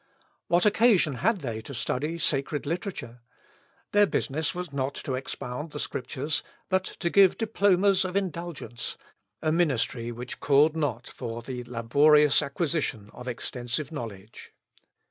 What occasion had they to study sacred literature? Their business was not to expound the Scriptures, but to give diplomas of indulgence a ministry which called not for the laborious acquisition of extensive knowledge.